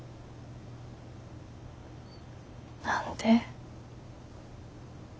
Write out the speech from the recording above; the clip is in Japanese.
何で？